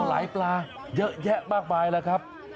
หลายปลาเยอะแยะมากมายแล้วครับ